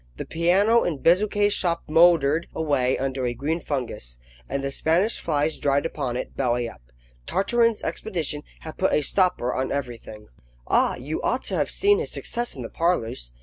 The piano in Bezuquet's shop mouldered away under a green fungus, and the Spanish flies dried upon it, belly up. Tartarin's expedition had a put a stopper on everything. Ah, you ought to have seen his success in the parlours.